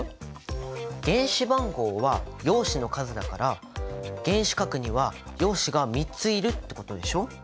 原子番号は陽子の数だから原子核には陽子が３ついるってことでしょ？